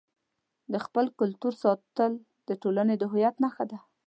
د خپل کلتور ساتل د ټولنې د هویت نښه ده.